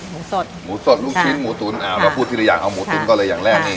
หมูสดหมูสดลูกชิ้นหมูตุ๋นอ่าวเราพูดทีละอย่างเอาหมูตุ๋นก็เลยอย่างแรกนี่